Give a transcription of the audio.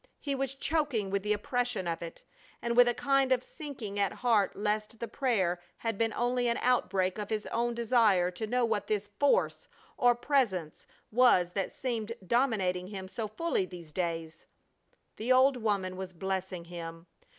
He was choking with the oppression of it, and with a kind of sinking at heart lest the prayer had been only an outbreak of his own desire to know what this Force or Presence was that seemed dominating him so fully these days. The old woman was blessing him.